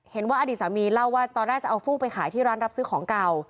เห็นว่าอดีตสามีเล่าว่าตอนแรกจะเอาฟูกไปขายที่ร้านรับซื้อของเก่า